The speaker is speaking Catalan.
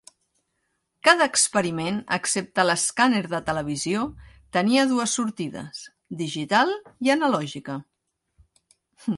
Cada experiment, excepte l'escàner de televisió, tenia dues sortides, digital i analògica.